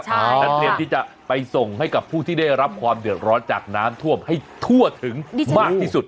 เตรียมที่จะไปส่งให้กับผู้ที่ได้รับความเดือดร้อนจากน้ำท่วมให้ทั่วถึงมากที่สุด